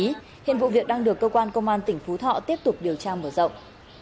tại đây hiện vụ việc đang được cơ quan công an tp thọ tiếp tục điều tra mở rộng